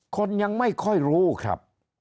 คนยังไม่ค่อยรู้ครับ